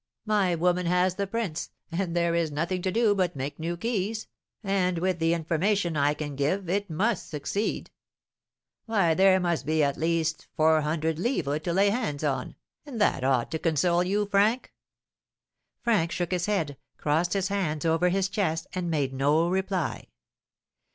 My woman has the prints, and there is nothing to do but make new keys, and with the information I can give it must succeed. Why, there must be, at least, 400_l._ to lay hands on, and that ought to console you, Frank." Frank shook his head, crossed his hands over his chest, and made no reply.